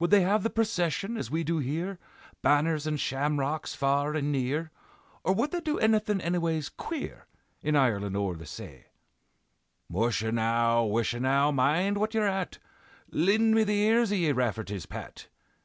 Would they have the procession, as we do here, Banners and shamrocks far and near, Or would they do annything annyways queer, In Ireland o'er the say?" "Musha now! wisha now! mind what ye're at! Lind me the ears of ye, Rafferty's Pat!